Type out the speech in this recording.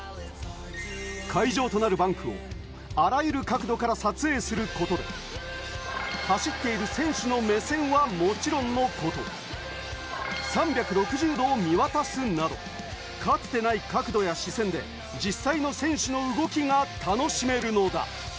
会場となるバンクをあらゆる角度から撮影することで、走っている選手の目線はもちろんのこと、３６０度を見渡すなど、かつてない角度や視線で、実際の選手の動きが楽しめるのだ。